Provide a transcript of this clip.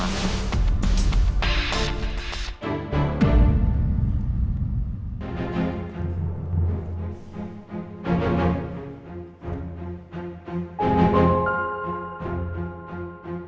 cintanya ada di chatnya